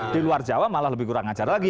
di luar jawa malah lebih kurang ngajar lagi